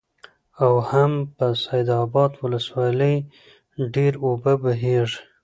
او هم په سيدآباد ولسوالۍ ډېرې اوبه بهيږي،